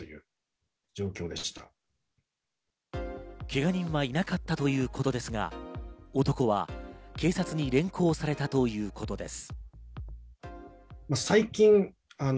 けが人はいなかったということですが、男は警察に連行されたということです。